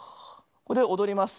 これでおどります。